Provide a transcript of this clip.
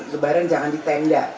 lebaran jangan di tenda